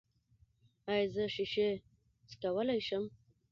ایا زه شیشې څکولی شم؟